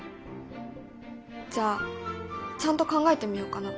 じゃあちゃんと考えてみようかな。